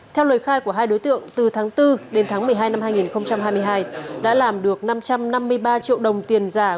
theo lời khai của hai đối tượng từ tháng bốn đến tháng một mươi hai năm hai nghìn hai mươi hai đã làm được năm trăm năm mươi ba triệu đồng tiền giả